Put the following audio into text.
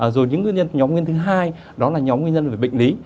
rồi những nhóm nguyên nhân thứ hai đó là nhóm nguyên nhân về bệnh lý